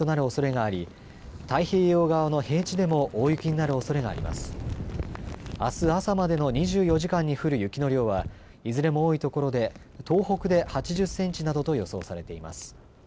あす朝までの２４時間に降る雪の量はいずれも多いところで東北で８０センチなどと予想されています。